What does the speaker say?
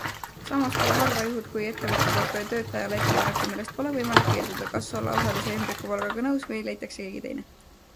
Samas pole harvad juhud, kui ettevõtja teeb töötajale ettepaneku, millest pole võimalik keelduda - kas olla osalise ümbrikupalgaga nõus või leitakse keegi teine.